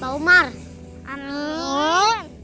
pak umar amin